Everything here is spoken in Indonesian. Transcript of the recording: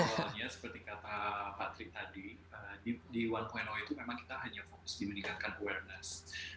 ya jadi memang awalnya seperti kata patrick tadi di satu itu memang kita hanya fokus di meningkatkan awareness